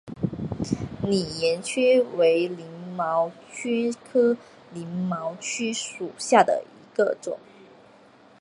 拟岩蕨为鳞毛蕨科鳞毛蕨属下的一个种。